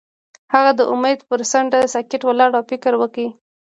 هغه د امید پر څنډه ساکت ولاړ او فکر وکړ.